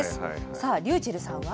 さあｒｙｕｃｈｅｌｌさんは？